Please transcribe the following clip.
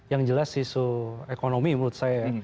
yang jelas isu ekonomi menurut saya